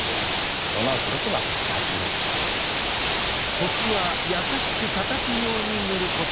コツは優しくたたくように塗ること。